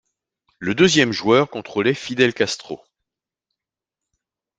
Le deuxième joueur contrôlait Fidel Castro.